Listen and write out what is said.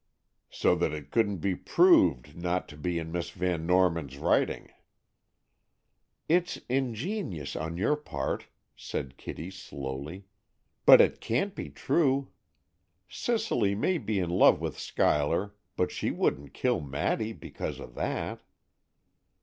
"So that it couldn't be proved not to be in Miss Van Norman's writing." "It's ingenious on your part," said Kitty slowly, "but it can't be true. Cicely may be in love with Schuyler, but she wouldn't kill Maddy because of that."